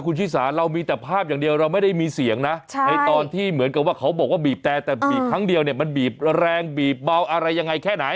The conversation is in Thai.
คุณชิสาเรามีแต่ภาพอย่างเดียวเราไม่ได้มีเสียงนะในตอนที่เหมือนกับว่าเขาบอกว่าบีบแต่แต่บีบครั้งเดียวเนี่ยมันบีบแรงบีบเบาอะไรยังไงแค่ไหน